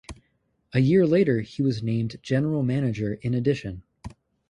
A year later he was named General Manager in addition.